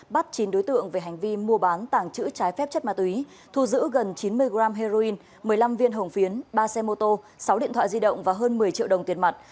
bắt chín đối tượng về hành vi mua bán tàng trữ trái phép chất ma túy thu giữ gần chín mươi g heroin một mươi năm viên hồng phiến ba xe mô tô sáu điện thoại di động và hơn một mươi triệu đồng tiền mặt